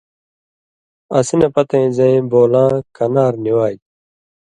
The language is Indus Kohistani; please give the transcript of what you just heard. اسی نہ پتَیں زَیں بولاں کنار نی والیۡ،